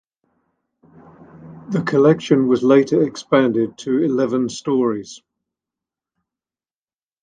The collection was later expanded to eleven stories.